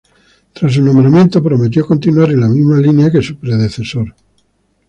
Tras su nombramiento, prometió continuar en la misma línea que su predecesor.